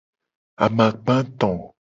Amakpa eto.